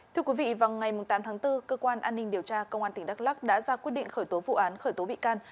thưa quý vị vào ngày tám tháng bốn cơ quan an ninh điều tra công an tỉnh đắk lắc đã ra quyết định khởi tố vụ án khởi tố bị can